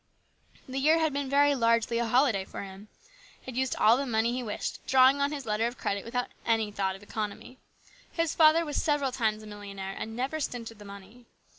The year had been very largely a holiday for him. He had used all the money he wished, drawing on his letter of credit without any thought of economy. His father was several times a millionaire and never stinted the money.